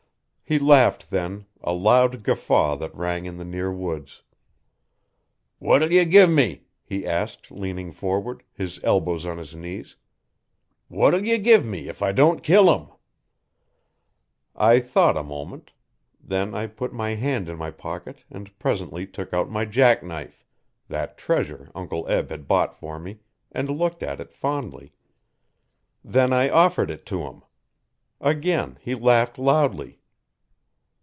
He laughed then a loud guffaw that rang in the near woods. 'What'll ye give me,' he asked leaning forward, his elbows on his knees, 'What'll ye give me if I don't kill him?' I thought a moment. Then I put my hand in my pocket and presently took out my jack knife that treasure Uncle Eb had bought for me and looked at it fondly. Then I offered it to him. Again he laughed loudly.